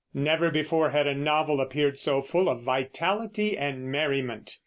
Never before had a novel appeared so full of vitality and merriment.